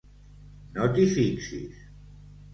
No t'hi fixis.